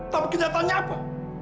tapi kejadiannya apa